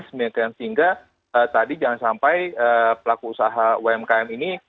sehingga tadi jangan sampai pelaku usaha umkm ini